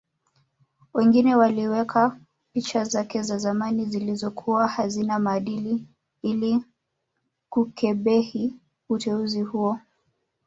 Wengine waliweka picha zake za zamani zilizokuwa hazina maadili ili kukebehi uteuzi huo